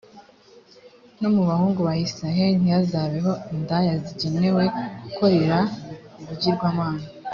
no mu bahungu b’abayisraheli ntihazabeho indaya zigenewe gukorera ibigirwamana.